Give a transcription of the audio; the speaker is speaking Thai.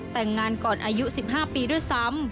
แต่งงานก่อนอายุ๑๕ปีด้วยซ้ำ